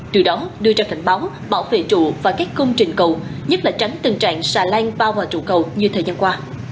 từ đó đưa ra cảnh báo bảo vệ trụ và các công trình cầu nhất là tránh tình trạng xà lan bao vào trụ cầu như thời gian qua